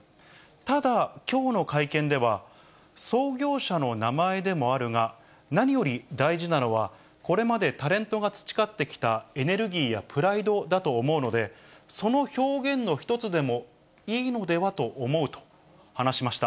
ただ、きょうの会見では、創業者の名前でもあるが、何より大事なのは、これまでタレントが培ってきたエネルギーやプライドだと思うので、その表現の一つでもいいのではと思うと話しました。